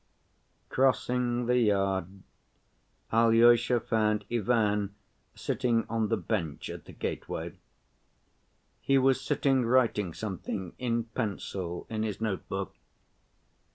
Crossing the yard Alyosha found Ivan sitting on the bench at the gateway. He was sitting writing something in pencil in his note‐book.